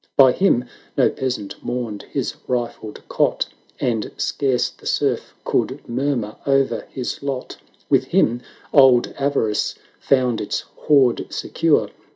By him no peasant mourned his rifled cot. And scarce the Serf could murmur o'er his lot; With him old Avarice found its hoard secure.